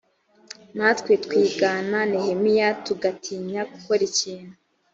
natwe twigana nehemiya tugatinya gukora ikintu